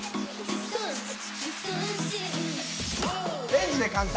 レンジで簡単。